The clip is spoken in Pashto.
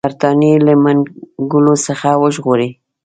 برټانیې له منګولو څخه وژغوري.